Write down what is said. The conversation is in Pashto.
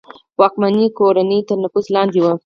واکمنې کورنۍ تر نفوذ لاندې وه.